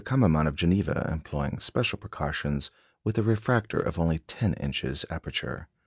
Kammermann of Geneva, employing special precautions, with a refractor of only ten inches aperture.